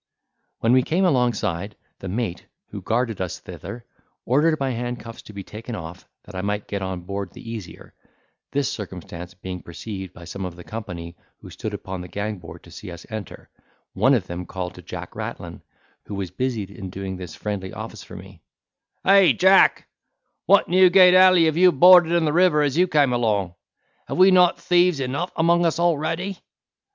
When we came alongside, the mate, who guarded us thither, ordered my handcuffs to be taken off, that I might get on board the easier; this circumstance being perceived by some of the company who stood upon the gangboard to see us enter, one of them called to Jack Rattlin, who was busied in doing this friendly office for me, "Hey, Jack, what Newgate galley have you boarded in the river as you came along? Have we not thieves enow among us already?"